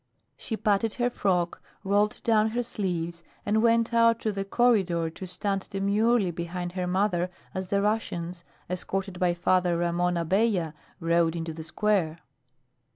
She patted her frock, rolled down her sleeves, and went out to the "corridor" to stand demurely behind her mother as the Russians, escorted by Father Ramon Abella, rode into the square.